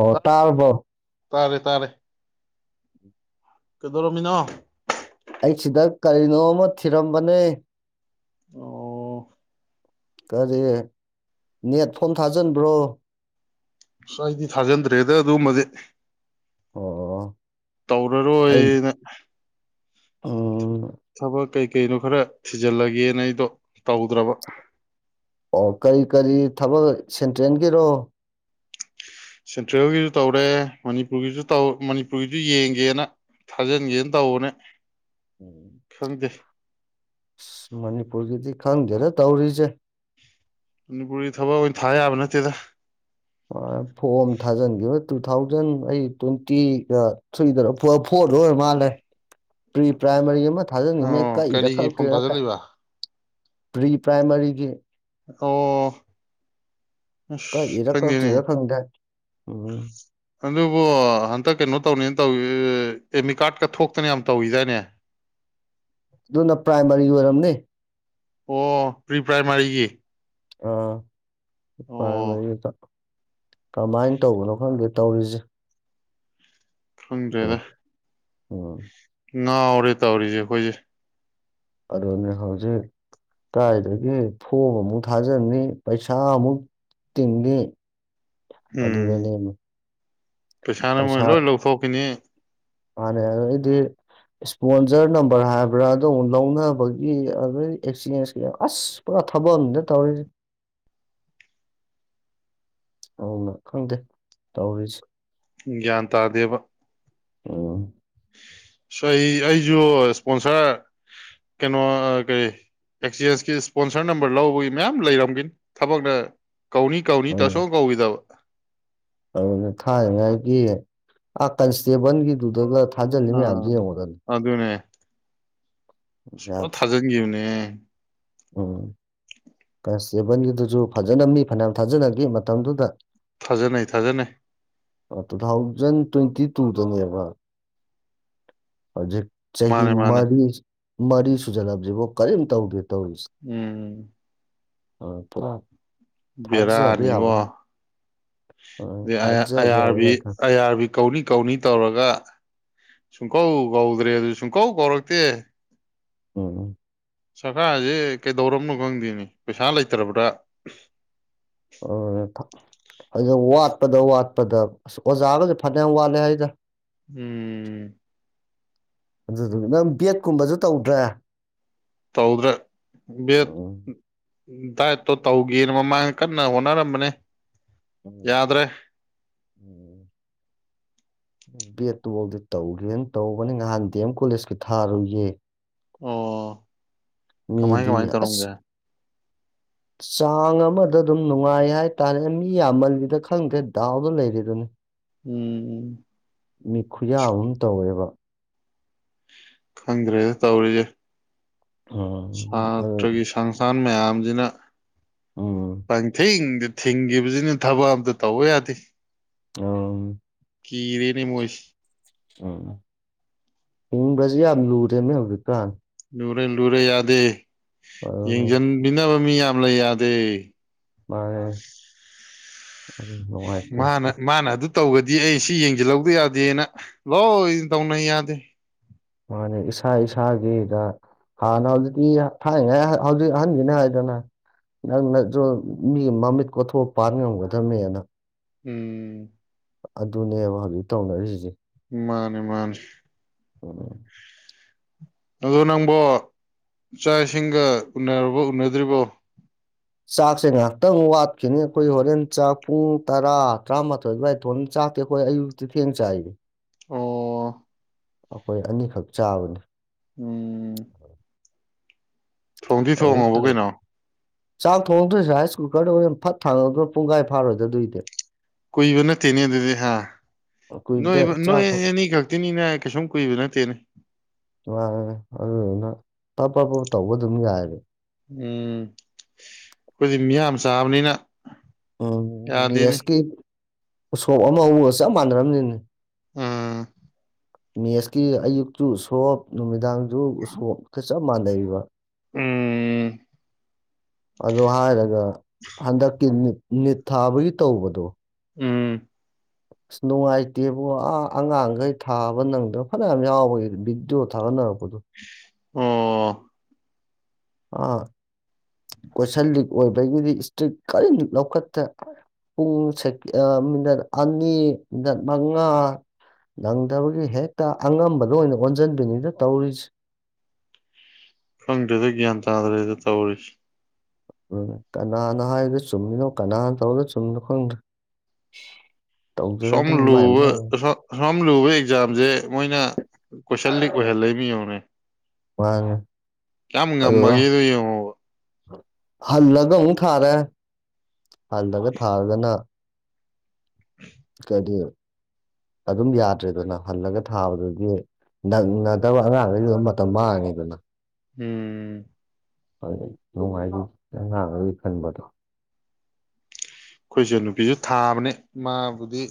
ꯑꯣ ꯇꯥꯔꯔꯕꯣ ꯇꯥꯔꯦ ꯇꯥꯔꯦ ꯀꯩꯗꯧꯔꯝꯃꯤꯅꯣ ꯑꯩ ꯁꯤꯗ ꯀꯔꯤꯅꯣ ꯑꯃ ꯊꯤꯔꯝꯕꯅꯦ ꯑꯣ ꯀꯔꯤ ꯅꯦꯠ ꯐꯣꯟ ꯊꯥꯖꯤꯟꯕ꯭ꯔꯣ ꯁꯁꯋꯥ ꯑꯩꯗꯤ ꯊꯥꯖꯟꯗ꯭ꯔꯦ ꯗ ꯑꯗꯨꯃꯗꯤ ꯑꯣ ꯇꯧꯔ ꯔꯣꯏꯅ ꯑꯣ ꯊꯕꯛ ꯀꯩꯀꯩꯅꯣ ꯈꯔ ꯊꯤꯖꯤꯜꯂꯒꯦꯅ ꯑꯩꯗꯣ ꯇꯧꯗ꯭ꯔꯕ ꯑꯣ ꯀꯔꯤ ꯀꯔꯤ ꯊꯕꯛ ꯁꯦꯟꯇ꯭ꯔꯦꯟꯒꯤꯔꯣ ꯁꯦꯟꯇ꯭ꯔꯦꯜꯒꯤꯁꯨ ꯇꯧꯔꯦ ꯃꯅꯤꯄꯨꯔꯒꯤꯁꯨ ꯇꯧ ꯃꯅꯤꯄꯨꯔꯒꯤꯁꯨ ꯌꯦꯡꯒꯦꯅ ꯊꯥꯖꯤꯟꯒꯦꯅ ꯇꯧꯕꯅꯦ ꯈꯪꯗꯦ ꯎ ꯃꯅꯤꯄꯨ ꯔꯀꯤꯗꯤ ꯈꯥꯡꯒꯔ ꯇꯧꯔꯤꯁꯦ ꯃꯅꯤꯄꯨꯔꯒꯤ ꯊꯕꯛ ꯑꯣꯏꯅ ꯊꯥ ꯌꯥꯕ ꯅꯠꯇꯦꯗ ꯐꯣꯝ ꯊꯥꯖꯤꯟꯈꯤꯕ ꯇꯨ ꯊꯥꯎꯖꯟ ꯑꯩ ꯇ꯭ꯋꯦꯟꯇꯤꯒ ꯊ꯭ꯔꯤꯗꯅ ꯐ ꯍꯔ ꯔ ꯃꯥꯂ ꯄꯤ꯭ꯔꯥꯏꯃꯔꯤ ꯃ ꯖ ꯅꯨꯃꯤ ꯑꯣ ꯀ ꯏꯔꯛꯀ ꯀꯔꯤꯒꯤ ꯐꯣꯝ ꯎꯔ ꯀ ꯊꯥꯖꯤꯜꯂꯤꯕ ꯄꯔꯤ ꯄ꯭ꯔꯥꯏꯃꯔꯤꯒꯤ ꯑꯣ ꯑꯁ ꯀꯥꯏꯔ ꯈꯪꯗꯦꯅꯦ ꯀꯛꯇꯔ ꯈꯪꯗ ꯑ ꯑꯗꯨꯕꯨ ꯍꯟꯇ ꯛ ꯀꯩꯅꯣ ꯇꯧꯅꯤꯅ ꯇꯧꯏ ꯑꯦꯃꯤ ꯀꯥꯔꯠꯀ ꯊꯣꯛꯇꯅ ꯌꯥꯝ ꯇꯧꯋꯤꯗꯥꯏꯅꯦ ꯑꯗꯨꯅ ꯄ꯭ꯔꯥꯏꯃꯔꯤ ꯑꯣꯏꯔꯝꯅꯦ ꯑꯣ ꯄ꯭ꯔꯤ ꯄ꯭ꯔꯥꯏꯃꯥꯔꯤꯒꯤ ꯑꯥ ꯂꯄꯥꯥꯏ ꯑꯣ ꯃꯔꯤꯗ ꯀꯃꯥꯏꯅ ꯇꯧꯕꯅꯣ ꯈꯪꯗꯦ ꯇꯧꯔꯤꯁꯦ ꯑꯗꯨ ꯐꯪꯗ꯭ꯔꯦꯗ ꯎꯝ ꯉꯧꯔꯦ ꯇꯧꯔꯤꯁꯦ ꯑꯩꯈꯣꯏꯁꯦ ꯑꯗꯨꯅꯤ ꯍꯧꯖꯤꯛ ꯀꯥꯏꯗꯒꯤ ꯐꯣꯝ ꯑꯃꯨꯛ ꯊꯥꯖꯤꯟꯅꯤ ꯄꯩꯁꯥ ꯑꯃꯨꯛ ꯇꯤꯡꯉꯤ ꯎꯝ ꯑꯗꯨꯒꯅꯤ ꯄꯩꯁꯥꯅ ꯃꯣꯏꯅ ꯂꯣꯏ ꯂꯧꯊꯣꯛꯈꯤꯅꯤ ꯃꯥꯅꯦ ꯑꯗꯨꯩꯗꯤ ꯏꯁꯄꯣꯟꯖꯔ ꯅꯝꯕꯔ ꯍꯥꯏꯕ꯭ꯔꯥ ꯑꯗꯨ ꯑꯃꯨꯛ ꯂꯧꯅꯕꯒꯤ ꯑꯗꯨ ꯑꯦꯛꯆꯦꯟꯁꯀꯤ ꯑꯁ ꯄꯨꯔꯥ ꯊꯕꯛ ꯑꯗ ꯇꯧꯔꯤꯁꯦ ꯑꯅ ꯈꯪꯗꯦ ꯇꯧꯔꯤꯁꯦ ꯒꯌ꯭ꯥꯟꯇꯥꯗꯦꯕ ꯑ ꯁ ꯑꯩꯁꯨ ꯏꯁꯄꯣꯟꯁꯔ ꯀꯩꯅꯣ ꯀꯔꯤ ꯑꯦꯛꯆꯦꯟꯁꯀꯤ ꯏꯁꯄꯣꯟꯁꯔ ꯅꯝꯕꯔ ꯂꯧꯕꯒꯤ ꯃꯌꯥꯝ ꯂꯩꯔꯝꯒꯅꯤ ꯊꯕꯛꯅ ꯀꯧꯅꯤ ꯀꯧꯅꯤ ꯑꯗꯨꯅ ꯇꯁꯣ ꯀꯧꯏꯗꯕ ꯑꯗꯨꯅ ꯊꯥꯏꯉꯥꯏꯒꯤ ꯑꯥ ꯀꯟꯁꯇꯦꯕꯜꯒꯤꯗꯨꯗꯒ ꯊꯥꯖꯂꯤꯃꯤꯌꯥꯝ ꯑꯥ ꯃꯗꯅꯤ ꯄꯣ ꯊꯥꯖꯟꯈꯤꯕꯌꯨꯅꯦ ꯎꯝ ꯀꯟꯁꯇꯦꯕꯜꯒꯤꯗꯨꯁꯨ ꯐꯖꯅ ꯃꯤ ꯐꯅꯌꯥꯝ ꯊꯥꯖꯅꯈꯤꯦ ꯃꯇꯝꯗꯨꯗ ꯊꯥꯖꯅꯩ ꯊꯥꯖꯅ ꯇꯨ ꯊꯥꯎꯖꯟ ꯇ꯭ꯋꯦꯟꯇꯤ ꯇꯨꯗꯨꯅꯦꯕ ꯍꯧꯖꯤꯛ ꯆꯍꯤ ꯃꯥꯅꯦ ꯃꯥꯅꯦ ꯃꯔꯤ ꯃꯔꯤ ꯁꯨꯖꯅꯥꯁꯤꯕꯣ ꯀꯔꯤꯝ ꯇꯧꯗꯦ ꯎꯝ ꯑ ꯄꯨ ꯕꯦꯔꯥꯅꯤꯕꯣ ꯊꯥꯖꯕ ꯌꯥꯕ ꯑꯌꯥꯥꯔꯕꯤ ꯅꯠꯇ꯭ꯔ ꯑꯌꯥꯥꯔꯕꯤ ꯀꯧꯅꯤ ꯀꯧꯅꯤ ꯇꯧꯔꯒ ꯁꯨꯡꯀꯧ ꯀꯧꯗ꯭ꯔꯦ ꯑꯗꯨ ꯁꯨꯡꯀꯧ ꯀꯧꯔꯛꯇꯦ ꯎꯝ ꯎꯝ ꯁꯔꯀꯥꯔꯁꯦ ꯀꯩꯗꯧꯔꯕꯅꯣ ꯈꯪꯗꯦꯅꯤ ꯄꯩꯁꯥ ꯂꯩꯇ꯭ꯔꯕ꯭ꯔꯥ ꯎ ꯑꯗꯨꯗ ꯋꯥꯠꯄꯗ ꯋꯥꯠꯄꯗ ꯑꯁ ꯑꯣꯖꯥꯒꯁꯨꯦ ꯐꯅꯌꯥꯝ ꯋꯥꯠꯂꯦ ꯍꯥꯏꯗꯅ ꯎꯝ ꯑꯗꯨꯗꯨ ꯅꯪ ꯕꯦꯛꯀꯨꯝꯕꯁꯨ ꯇꯧꯗ꯭ꯔꯦ ꯇꯧꯗ꯭ꯔꯦ ꯎꯝ ꯗꯥꯏꯠꯇꯣ ꯇꯧꯒꯦꯅ ꯃꯃꯥꯡꯗ ꯀꯟꯅ ꯍꯣꯠꯅꯔꯝꯕꯅꯦ ꯎꯝ ꯌꯥꯗ꯭ꯔꯦ ꯎꯝ ꯕꯦꯠꯇꯨꯐꯧꯗꯤ ꯇꯧꯒꯦꯅ ꯇꯧꯕꯅꯤ ꯅꯍꯥꯟ ꯗꯤ ꯑꯦꯝ ꯀꯣꯂꯦꯖꯀꯤ ꯊꯥꯔꯨꯏꯌꯦ ꯑꯣ ꯀꯃꯥꯏ ꯃꯤꯗꯤ ꯀꯃꯥꯏ ꯑꯁ ꯇꯧꯔꯝꯒꯦ ꯆꯥꯡ ꯑꯃꯗ ꯑꯗꯨꯝ ꯅꯨꯡꯉꯥꯏ ꯍꯥꯏꯇꯥꯔꯦ ꯃꯤ ꯌꯥꯝꯃꯜꯂꯤꯗ ꯈꯪꯗꯦ ꯗꯥꯎꯗ ꯂꯩꯔꯤꯗꯨꯅꯤ ꯎꯝ ꯃꯤ ꯈꯨꯌꯥ ꯑꯍꯨꯝ ꯇꯧꯋꯦꯕ ꯈꯪꯈ꯭ꯔꯦꯗ ꯇꯧꯔꯤꯁꯦ ꯎꯝ ꯑꯗꯨ ꯁꯠꯇ꯭ꯔꯒꯤ ꯁꯪꯁꯥꯟ ꯃꯌꯥꯝꯁꯤꯅ ꯎꯝ ꯄꯪꯊꯤ ꯊꯤꯡꯈꯤꯕꯁꯤꯅ ꯊꯕꯛ ꯑꯝꯇ ꯇꯧꯕ ꯌꯥꯗꯦ ꯑ ꯀꯔꯤꯅꯤ ꯃꯣꯏꯁꯨ ꯎꯝ ꯍꯤꯡꯕꯁꯨ ꯌꯥꯝ ꯂꯨꯨꯔꯦꯅꯦ ꯍꯧꯖꯤꯛꯀꯥꯟ ꯂꯨꯔꯦ ꯂꯨꯔꯦ ꯌꯥꯗꯦ ꯑꯗꯨꯅ ꯌꯦꯡꯖꯟꯃꯤꯅ ꯃꯤ ꯌꯥꯝ ꯂꯩꯌꯥꯗꯦ ꯃꯥꯅꯦ ꯑꯗꯨꯝ ꯅꯨꯡꯉꯥꯏꯇꯦ ꯃꯥꯅꯦ ꯃꯥꯅꯦ ꯑꯗꯨ ꯇꯧꯒꯗꯤ ꯑꯩꯁꯤ ꯌꯦꯡꯁꯤꯜꯍꯧꯗ ꯌꯥꯗꯦꯅ ꯂꯣꯏ ꯇꯧꯅ ꯌꯥꯗꯦ ꯃꯥꯅꯤ ꯏꯁꯥ ꯏꯁꯥꯒꯤꯗ ꯍꯥꯟꯅ ꯍꯧꯖꯤꯛꯇꯤ ꯊꯥꯏꯉꯥꯏ ꯍꯧꯖꯤꯛ ꯑꯍꯟꯒꯤꯅꯤ ꯍꯥꯏꯗꯅ ꯅꯪꯅꯁꯨ ꯃꯤ ꯃꯃꯤꯠ ꯀꯣꯊꯣꯛꯄ ꯉꯝꯒꯗꯝꯕꯅꯦꯅ ꯑꯗꯨ ꯎꯝ ꯑꯗꯨꯅꯦꯕ ꯍꯧꯖꯤꯛ ꯇꯧꯅꯔꯤꯁꯤꯁꯦ ꯃꯥꯅꯦ ꯃꯥꯅꯦ ꯎꯝ ꯑꯣ ꯅꯪꯕꯣ ꯆꯥꯛ ꯏꯁꯤꯡꯒ ꯎꯅꯔꯕ ꯎꯅꯗ꯭ꯔꯤꯕꯣ ꯆꯥꯛꯁꯦ ꯉꯥꯏꯍꯥꯛꯇꯪ ꯋꯥꯠꯈꯤꯅꯤ ꯑꯩꯈꯣꯏ ꯍꯣꯔꯦꯟ ꯆꯥꯛ ꯄꯨꯡ ꯇꯔꯥ ꯇꯔꯥꯃꯥꯊꯣꯏ ꯑꯗꯨꯋꯥꯏ ꯊꯣꯡꯅꯤ ꯆꯥꯛꯇꯤ ꯑꯩꯈꯣꯏ ꯑꯌꯨꯛꯇꯤ ꯊꯦꯡ ꯆꯥꯏꯅꯦ ꯑꯣ ꯑꯩꯈꯣꯏ ꯑꯅꯤꯈꯛ ꯆꯥꯕꯅꯤ ꯎꯝ ꯊꯣꯡꯗꯤ ꯑꯗꯩ ꯊꯣꯡꯉꯕ ꯇ- ꯀꯩꯅꯣ ꯆꯥꯛ ꯊꯣꯡꯉꯗꯣꯏꯁꯦ ꯔꯥꯏꯁ ꯀꯨꯀꯔꯗ ꯑꯣꯏꯅ ꯐꯠ ꯊꯥꯡꯉꯗ꯭ꯔ ꯄꯨꯡꯈꯥꯏ ꯐꯥꯔꯣꯏꯗꯗꯏꯗꯤ ꯀꯨꯏꯕ ꯅꯠꯇꯦꯅꯦ ꯑꯗꯨꯗꯤ ꯍꯥ ꯅꯣꯏ ꯀꯨꯏꯗꯦ ꯅꯣꯏ ꯆꯥꯛ ꯊꯣꯡ ꯑꯅꯤ ꯈꯛꯇꯤꯅꯤꯅꯦ ꯀꯩꯁꯨꯝ ꯀꯨꯏꯕ ꯅꯠꯇꯦꯅꯦ ꯌꯥ ꯑꯗꯨꯗꯨꯅ ꯄꯞꯄꯞ ꯇꯧꯕ ꯑꯗꯨꯝ ꯌꯥꯏꯔꯦ ꯎꯝ ꯑꯩꯈꯣꯏꯗꯤ ꯃꯤꯌꯥꯝ ꯆꯥꯕꯅꯤꯅ ꯎꯝ ꯃꯤ ꯌꯥꯗꯦꯅꯦ ꯑꯦꯁꯀꯤ ꯎꯁꯣꯞ ꯑꯃ ꯍꯧꯔꯒ ꯆꯞ ꯃꯥꯟꯅꯔꯕꯅꯤꯅꯦ ꯎꯝ ꯃꯦꯁꯀꯤ ꯑꯌꯨꯛꯇꯨ ꯁꯣꯞ ꯅꯨꯃꯤꯗꯥꯡ ꯑꯗꯨ ꯆꯞ ꯃꯅꯩꯕ ꯎꯝ ꯑꯣ ꯍꯥꯏꯔꯒ ꯍꯟꯗꯛꯀꯤ ꯅꯤꯠ ꯊꯥꯕꯒꯤ ꯇꯧꯕꯗꯣ ꯎꯝ ꯑꯁ ꯅꯨꯡꯉꯥꯏꯇꯦꯕ ꯑ ꯑꯉꯥꯡꯈꯩ ꯊꯥꯕ ꯅꯪꯗꯣ ꯐꯅꯌꯥꯝ ꯌꯥꯎꯕ ꯕꯤꯗꯤꯑꯣ ꯊꯥꯕ ꯅꯪꯕ ꯀꯗꯨ ꯑꯣ ꯑꯥ ꯀꯣꯏꯁꯟ ꯂꯤꯛ ꯑꯣꯏꯕꯒꯤꯗꯤ ꯏꯁꯇ꯭ꯔꯤꯛ ꯀꯔꯤꯝꯛ ꯂꯧꯈꯠꯇ꯭ꯔꯦ ꯄꯨꯡ ꯃꯤꯅꯠ ꯑꯅꯤ ꯃꯤꯅꯠ ꯃꯉꯥ ꯅꯪꯗꯕꯒꯤ ꯍꯦꯛꯇ ꯑꯉꯝꯕꯗ ꯑꯣꯏꯅ ꯑꯣꯟꯁꯤꯟꯕꯅꯤꯅ ꯇꯧꯔꯤꯁꯦ ꯐꯪꯗ꯭ꯔꯦꯗ ꯒ꯭ꯌꯥꯟ ꯇꯥꯗ꯭ꯔꯦꯗ ꯇꯧꯔꯤꯁ ꯎ ꯀꯅꯥꯅꯣ ꯍꯥꯏꯔꯤꯗ ꯆꯨꯝꯃꯤꯅꯣ ꯀꯅꯥꯅ ꯇꯧꯅꯣ ꯆꯨꯝꯃꯤꯅꯣ ꯈꯪꯗ꯭ꯔꯦ ꯇꯧꯖꯔꯗꯅ ꯃꯥꯏ ꯁꯣꯝꯂꯨꯕ ꯃꯥꯏ ꯁ ꯁꯣꯔꯝ ꯂꯨꯕ ꯑꯦꯛꯖꯥꯝꯁꯦ ꯃꯣꯏꯅ ꯀꯁꯜ ꯀ ꯍꯜꯂ ꯂꯩꯃꯤꯅꯦ ꯋꯥ ꯀꯌꯥꯝ ꯉꯝꯃꯒꯗꯨ ꯌꯦ ꯍꯜꯂꯒ ꯑꯃꯨꯛ ꯊꯥꯔꯦ ꯍꯜꯂꯒ ꯊꯥꯔꯒꯅ ꯀꯔꯤ ꯑꯗꯨꯝ ꯌꯥꯗ꯭ꯔꯦꯗꯅ ꯍꯜꯂꯒ ꯊꯥꯕꯗꯨꯒꯤ ꯅꯪꯅꯗꯕ ꯑꯉꯥꯡꯗꯩ ꯂ ꯃꯇꯝ ꯃꯥꯡꯉꯅꯤꯗꯅ ꯎꯝ ꯑꯗꯨ ꯅꯨꯡꯉꯥꯏ ꯉꯥꯡꯗꯤ ꯈꯟꯕꯗꯣ ꯑꯩꯈꯣꯏꯁꯦ ꯅꯨꯄꯤꯁꯨ ꯊꯥꯕꯅꯦ ꯃꯥꯕꯨꯗꯤ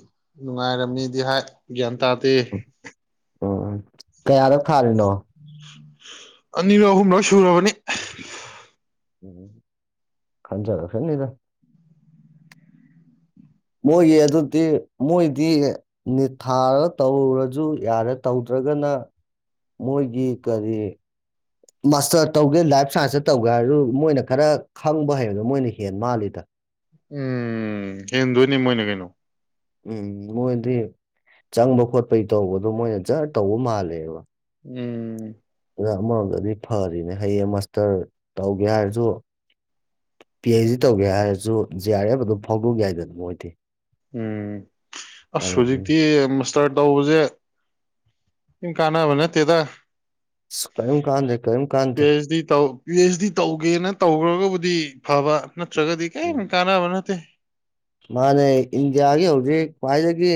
ꯅꯨꯡꯉꯥꯏꯔꯝꯃꯤꯗꯤ ꯍꯥꯏ ꯒ꯭ꯌꯥꯟ ꯇꯥꯗꯦ ꯑꯣ ꯀꯌꯥꯗ ꯊꯥꯔꯤꯅꯣ ꯑꯅꯤꯔꯛ ꯑꯍꯨꯝꯂꯣꯏ ꯁꯨꯔꯕꯅꯤ ꯎ ꯈꯪꯖꯗ ꯐꯔꯅꯤꯗ ꯃꯣꯏꯒꯤ ꯑꯗꯨꯗꯤ ꯃꯣꯏꯗꯤ ꯅꯤꯠ ꯊꯥꯔ ꯇꯧꯔꯁꯨ ꯌꯥꯔꯦ ꯇꯧꯗ꯭ꯔꯒꯅ ꯃꯣꯏꯒꯤ ꯀꯔꯤ ꯃꯥꯁꯇꯔ ꯇꯧꯒꯦ ꯂꯥꯏꯐ ꯁꯥꯏꯟꯁꯇ ꯇꯧꯒꯦ ꯍꯥꯏꯔꯁꯨ ꯃꯣꯏꯅ ꯈꯔ ꯈꯪꯕ ꯍꯩꯕꯗ ꯃꯣꯏꯅ ꯍꯦ ꯃꯥꯜꯂꯤꯗ ꯎꯝ ꯍꯦꯟꯗꯣꯏꯅꯤ ꯃꯣꯏꯅ ꯀꯩꯅꯣ ꯎꯝ ꯃꯣꯏꯗꯤ ꯆꯪꯕ ꯈꯣꯠꯄꯩ ꯇꯧꯕꯗꯣ ꯃꯣꯏꯅ ꯖꯔ ꯇꯧꯕ ꯃꯥꯜꯂꯦꯕ ꯎꯝ ꯑꯃꯔꯣꯝꯗꯗꯤ ꯐꯔꯤꯅꯦ ꯍꯌꯦꯡ ꯃꯥꯁꯇꯔ ꯇꯧꯒꯦ ꯍꯥꯏꯔꯁꯨ ꯄꯤ ꯑꯩꯩꯆ ꯗꯤ ꯇꯧꯒꯦ ꯍꯥꯏꯔꯁꯨ ꯖꯤ ꯑꯥꯔ ꯑꯦꯐ ꯑꯗꯨ ꯐꯥꯎꯗꯣꯛ ꯌꯥꯏꯗ ꯑꯗꯨ ꯃꯣꯏꯗꯤ ꯎꯝ ꯑꯁ ꯑꯗꯨ ꯎꯝ ꯍꯧꯖꯤꯛꯇꯤ ꯏꯁꯇꯥꯔꯠ ꯇꯧꯕꯁꯦ ꯀꯥꯟꯅꯕꯅ ꯇꯦꯗ ꯑꯁ ꯀꯔꯤꯝ ꯀꯥꯟꯗꯦ ꯀꯔꯤꯝ ꯄꯤ ꯀꯥꯟꯗꯦ ꯑꯩꯆ ꯗꯤ ꯇꯧ ꯄꯤ ꯑꯩꯆ ꯗꯤ ꯇꯧꯒꯦꯅ ꯇꯧꯈ꯭ꯔꯒꯕꯨꯗꯤ ꯐꯕ ꯅꯠꯇ꯭ꯔꯒꯗꯤ ꯎꯝ ꯀꯔꯤꯝ ꯀꯥꯟꯅꯕ ꯅꯠꯇꯦ ꯃꯥꯅꯦ ꯏꯟꯗꯤꯌꯥꯒꯤ ꯍꯧꯖꯤꯛ ꯈ꯭ꯋꯥꯏꯗꯒꯤ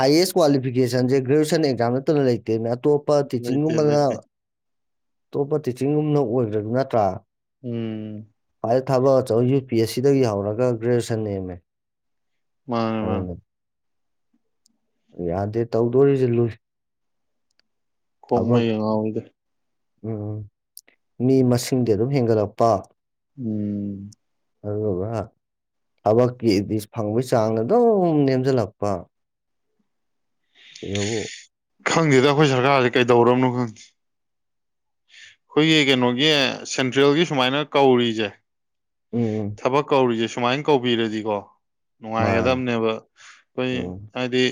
ꯍꯥꯏꯌꯦꯁ ꯀ꯭ꯋꯥꯂꯤꯐꯤꯀꯦꯁꯟꯁꯦ ꯒ꯭ꯔꯦꯖꯨꯋꯦꯁꯟ ꯑꯦꯛꯖꯥꯝ ꯅꯠꯇꯅ ꯂꯩꯇꯦꯅꯦ ꯑꯇꯣꯞꯄ ꯂꯩꯇꯦ ꯇꯤꯆꯤꯡꯒꯨꯝꯕꯅ ꯂꯩꯇꯦ ꯑꯇꯣꯞꯄ ꯇꯤꯆꯤꯡꯒꯨꯝꯅ ꯑꯣꯏꯗ꯭ꯔꯗꯤ ꯅꯠꯇ꯭ꯔꯥ ꯎꯝ ꯑꯩ ꯊꯕꯛ ꯑꯆꯧ ꯌꯨ ꯄꯤ ꯑꯦꯁ ꯁꯤꯗꯒꯤ ꯍꯧꯔꯒ ꯒ꯭ꯔꯦꯖꯨꯑꯦꯁꯟ ꯑꯦꯝꯃꯦ ꯋꯥ ꯃꯥ ꯌꯥꯗꯦ ꯇꯧꯗꯣꯔꯤꯁꯤ ꯂꯨꯏ ꯊꯕꯛ ꯀꯣꯛꯃꯩ ꯑꯉꯥꯎꯗ ꯎꯝ ꯃꯤ ꯃꯁꯤꯡꯗꯤ ꯑꯗꯨꯝ ꯍꯦꯟꯒꯠꯂꯛꯄ ꯎꯝ ꯑꯗꯨꯒ ꯊꯕꯛꯀꯤꯗꯤ ꯐꯪꯕꯒꯤ ꯆꯥꯡ ꯑꯗꯨꯝ ꯅꯦꯝꯖꯤꯜꯂꯛꯄ ꯁꯤꯗꯕꯨ ꯈꯪꯗꯦꯗ ꯑꯈꯣꯏ ꯁꯔꯀꯥꯔꯖꯤ ꯀꯩꯗꯧꯔꯃꯣ ꯈꯪꯗꯦ ꯈꯣꯏꯒꯤ ꯀꯩꯅꯣꯒꯤ ꯁꯦꯟꯇ꯭ꯔꯦꯜꯒꯤ ꯁꯨꯃꯥꯏꯅ ꯀꯧꯔꯤꯖꯦ ꯎꯝ ꯊꯕꯛ ꯀꯧꯔꯤꯖꯦ ꯁꯨ ꯁꯨꯃꯥꯏ ꯀꯧꯕꯤꯔꯗꯤꯀꯣ ꯃꯥꯅꯦ ꯅꯨꯡꯉꯥꯏꯒꯗꯝꯅꯦꯕ ꯈꯣꯏꯒꯤ ꯎꯝ ꯍꯥꯏꯗꯤ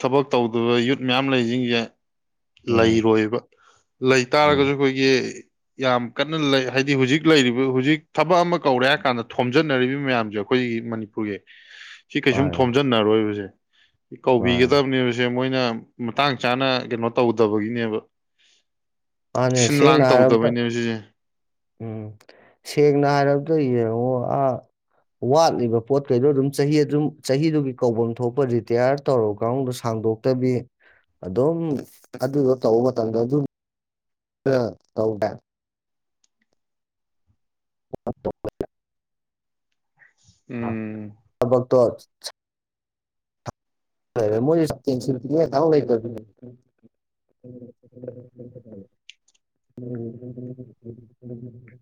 ꯊꯕꯛ ꯇꯧꯗꯕ ꯌꯨꯠ ꯃꯌꯥꯝ ꯂꯩꯖꯤꯡꯖꯦ ꯎꯝ ꯂꯩꯔꯣꯏꯕ ꯂꯩ ꯎꯝ ꯇꯥꯔꯒꯖꯨ ꯌꯥꯝ ꯀꯟꯅ ꯂꯩ ꯍꯥꯏꯗꯤ ꯍꯨꯖꯤꯛ ꯂꯩꯔꯤꯕ ꯍꯨꯖꯤꯛ ꯊꯕꯛ ꯑꯃ ꯀꯧꯔꯦ ꯍꯥꯏꯀꯥꯟꯗ ꯊꯣꯝꯖꯤꯟꯅꯔꯤꯕ ꯃꯌꯥꯝꯖꯦ ꯑꯩꯈꯣꯏꯒꯤ ꯃꯅꯤꯄꯨꯔꯒꯤ ꯁꯤ ꯀꯩꯁꯨꯝ ꯃꯥꯅꯦ ꯊꯣꯝꯖꯤꯟꯅꯔꯣꯏꯕꯖꯦ ꯃꯥꯅꯦ ꯀꯧꯕꯤꯒꯗꯕꯅꯦꯕꯁꯦ ꯃꯣꯏ ꯌꯥꯝ ꯃꯇꯥꯡ ꯆꯥꯅ ꯀꯩꯅꯣ ꯇꯧꯗꯕꯒꯤꯅꯦꯕ ꯃꯥꯅꯦ ꯁꯤꯟ ꯂꯥꯡ ꯁꯦꯡꯅ ꯍꯥꯏꯔꯕꯗ ꯇꯧꯗꯕꯩꯅꯦꯕ ꯁꯤꯖꯦ ꯎꯝ ꯁꯦꯡꯅ ꯍꯥꯏꯔꯕꯗ ꯌꯦꯡꯉꯣ ꯑꯥ ꯋꯥꯠꯂꯤꯕ ꯄꯣꯠꯈꯩꯗꯣ ꯑꯗꯨꯝ ꯆꯍꯤ ꯑꯗꯨꯝ ꯆꯍꯤꯗꯨꯒꯤ ꯀꯧꯕꯝ ꯊꯣꯛꯄ ꯔꯤꯇꯤꯌꯥꯔ ꯇꯧꯔꯕ ꯀꯥꯡꯒꯨꯗꯣ ꯁꯥꯡꯗꯣꯛꯇꯕꯤ ꯑꯗꯨꯝ ꯑꯗꯨꯗꯣ ꯇꯧꯕ ꯃꯇꯝꯗ ꯑꯗꯨꯝ ꯈꯣꯢꯅ ꯇꯧꯕꯦꯡ [unintelligible] ꯎꯝ [unintelligible] [unintelligible]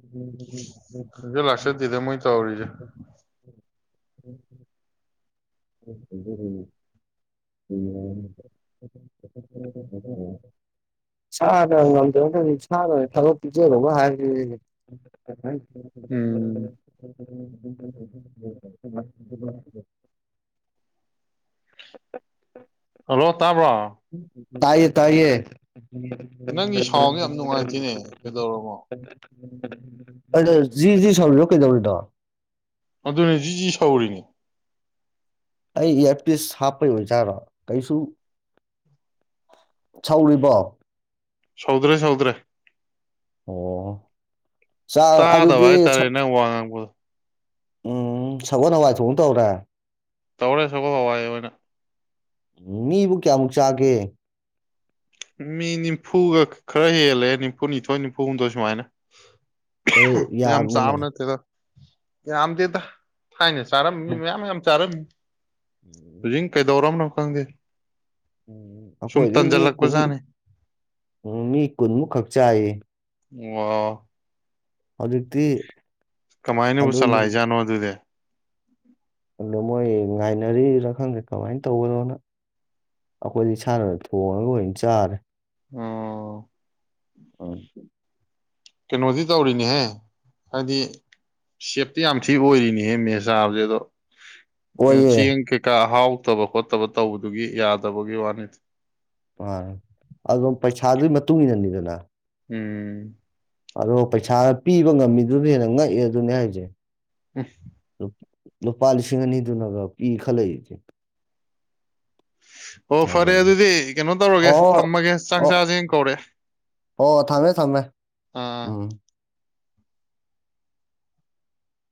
ꯈꯪꯖ ꯂꯥꯛꯆꯗꯦꯗ ꯃꯣꯏ ꯇꯧꯔꯤꯖꯦ ꯎꯝ [unintelligible] [unintelligible] [unintelligible] ꯎꯝ [unintelligible] ꯍꯜꯂꯣ ꯇꯥꯕ꯭ꯔꯣ ꯗꯥꯏꯌꯦ ꯇꯥꯏꯌꯦ ꯅꯪꯒꯤ ꯁꯥꯎꯟꯁꯦ ꯌꯥꯝ ꯅꯨꯡꯉꯥꯏꯇꯦꯅꯦ ꯀꯩꯗꯧꯔꯃꯣ [unintelligible] ꯑꯗ ꯖꯤ ꯖꯤ ꯁꯧꯔꯤꯔꯣ ꯀꯩꯗꯧꯔꯤꯅꯣ ꯑꯗꯨꯅꯤ ꯖꯤꯖꯤ ꯁꯧꯔꯤꯅꯤ ꯑꯩ ꯏꯌꯥꯔꯄꯤꯁ ꯍꯥꯞꯄꯩ ꯑꯣꯏꯖꯥꯠꯔꯣ ꯀꯩꯁꯨ ꯁꯧꯔꯤꯕꯣ ꯁꯧꯗ꯭ꯔꯦ ꯁꯧꯗ꯭ꯔꯦ ꯑꯣ ꯆꯥꯛ ꯇꯥꯗꯕ ꯑꯗꯨꯗꯤ ꯍꯥꯢ ꯇꯥꯔꯦ ꯅꯪ ꯋꯥ ꯉꯥꯡꯕꯗꯨ ꯎꯝ ꯁꯒꯣꯟ ꯍꯋꯥꯢ ꯊꯣꯡꯕ ꯇꯧꯔꯦ ꯇꯧꯔꯦ ꯁꯒꯣꯟ ꯍꯋꯥꯢ ꯑꯣꯏꯅ ꯃꯤꯕꯨ ꯀꯌꯥꯃꯨꯛ ꯆꯥꯒꯦ ꯃꯤ ꯅꯤꯝꯐꯨꯒ ꯈꯔ ꯍꯦꯜꯂꯦ ꯅꯤꯝꯐꯨꯅꯤꯊꯣꯏ ꯅꯤꯐꯨ ꯍꯨꯝꯗꯣꯏ ꯁꯨꯃꯥꯏꯅ ꯍꯣꯏ ꯌꯥꯝ ꯌꯥꯝꯃꯤꯅꯦ ꯆꯕꯅ ꯊꯦꯗ ꯌꯝꯗꯦꯗꯥ ꯊꯥꯏꯅ ꯆꯥꯔꯝꯃꯤ ꯃꯤ ꯃꯌꯥꯝ ꯌꯥꯝ ꯆꯥꯔꯝꯃꯤ ꯍꯧꯖꯤꯛ ꯀꯩꯗꯧꯔꯝꯅꯣ ꯈꯪꯗꯦ ꯎꯝ ꯁꯨꯝ ꯑꯩꯈꯣꯏꯗꯤ ꯃꯤ ꯀꯨꯟ ꯇꯟꯖꯜꯂꯛꯄꯖꯥꯠꯅꯤ ꯎꯝ ꯃꯤ ꯀꯨꯟꯃꯨꯛꯈꯛ ꯆꯥꯏꯌꯦ ꯋꯥ ꯍꯧꯖꯤꯛꯇꯤ ꯀꯃꯥꯏꯅꯕꯨ ꯑꯗꯨ ꯆꯂꯥꯏꯏꯖꯥꯠꯅꯣ ꯑꯗꯨꯗꯤ ꯎꯝ ꯑꯗ ꯃꯣꯏ ꯉꯥꯏꯅꯔꯤꯔ ꯈꯪꯗꯦ ꯀꯃꯥꯏꯅ ꯇꯧꯕꯅꯣꯅ ꯑꯩꯈꯣꯏꯗꯤ ꯏꯁꯥꯟꯅꯗ ꯊꯣꯡꯉꯒ ꯂꯣꯏ ꯆꯥꯔꯦ ꯑꯣ ꯑ ꯀꯩꯅꯣꯗꯤ ꯇꯧꯔꯤꯅꯦꯍꯦ ꯍꯥꯏꯕꯗꯤ ꯁꯦꯞꯇꯤ ꯌꯥꯝ ꯊꯤ ꯑꯣꯏꯔꯤꯅꯤꯍꯦ ꯃꯦ ꯆꯥꯕꯁꯦ ꯑꯗꯣ ꯑꯣꯏꯌꯦ ꯆꯦꯡ ꯀꯩꯀ ꯑꯍꯥꯎ ꯊꯣꯛꯇꯕ ꯈꯣꯠꯇꯕ ꯇꯧꯕꯗꯨꯒꯤ ꯌꯥꯗꯕꯒꯤ ꯋꯥꯅꯤ ꯑ ꯑꯗꯨꯝ ꯄꯩꯁꯥꯗꯨꯒꯤ ꯃꯇꯨꯡ ꯏꯟꯅꯅꯤꯗꯅ ꯎꯝ ꯑꯗꯣ ꯄꯩꯁꯥ ꯄꯤꯕ ꯉꯝꯃꯤꯗꯨꯅ ꯍꯦꯟꯅ ꯉꯛꯑꯦ ꯑꯗꯨꯅꯦ ꯍꯥꯏꯁꯦ ꯑꯦꯁ ꯂꯨꯄꯥ ꯂꯤꯁꯤꯡ ꯑꯅꯤꯗꯨꯅꯒ ꯀꯤ ꯈꯜꯂꯛꯏꯁꯦ ꯑꯣ ꯐꯔꯦ ꯑꯗꯨꯅꯤ ꯑꯗꯨꯗꯤ ꯀꯩꯅꯣ ꯇꯧꯔꯒꯦ ꯑꯣ ꯊꯝꯃꯒꯦ ꯆꯥꯛ ꯑꯣ ꯆꯁ ꯀꯧꯔꯦ ꯑꯣ ꯊꯝꯃꯦ ꯊꯝꯃꯦ ꯑꯥ ꯎꯝ